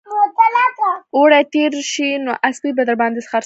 اوړي تېر شي نو اسپې به در باندې خرڅوم